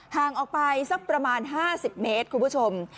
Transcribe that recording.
ห่างออกไปสักประมาณ๕๐เมตรคุณผู้ชม